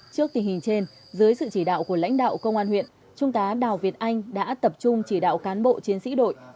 trước tình hình trên dưới sự chỉ đạo của lãnh đạo công an huyện trung tá đào việt anh đã tập trung chỉ đạo cán bộ chiến sĩ đội